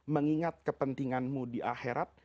mengingat kepentinganmu di akhirat